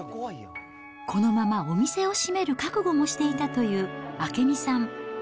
このままお店を閉める覚悟もしていたという明美さん。